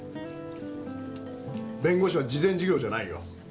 弁護士は慈善事業じゃないよ。